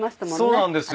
そうなんですよ。